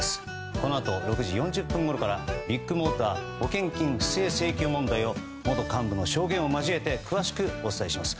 このあと６時４０分ごろからビッグモーター保険金不正請求問題を元幹部の証言を交えて詳しくお伝えします。